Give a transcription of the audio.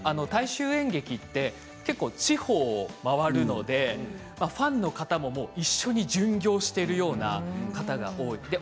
大衆演劇は地方を回るのでファンの方も一緒に巡業しているような方が多い。